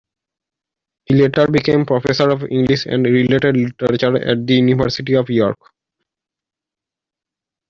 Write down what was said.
He later became Professor of English and Related Literature at the University of York.